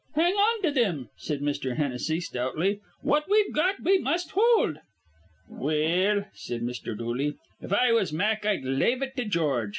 "Hang on to thim," said Mr. Hennessy, stoutly. "What we've got we must hold." "Well," said Mr. Dooley, "if I was Mack, I'd lave it to George.